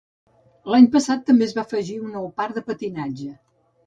L'any passat també es va afegir un nou parc de patinatge.